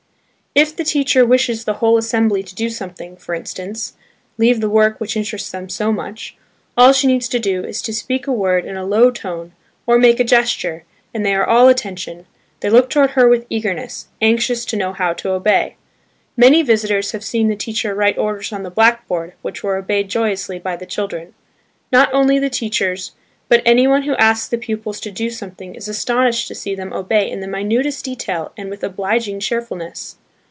If the teacher wishes the whole assembly to do something, for instance, leave the work which interests them so much, all she needs to do is to speak a word in a low tone, or make a gesture, and they are all attention, they look toward her with eagerness, anxious to know how to obey. Many visitors have seen the teacher write orders on the blackboard, which were obeyed joyously by the children. Not only the teachers, but anyone who asks the pupils to do something is astonished to see them obey in the minutest detail and with obliging cheerfulness.